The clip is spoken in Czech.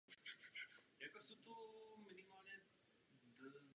V moderní době jsou aktivní pouze ženská a dívčí družstva.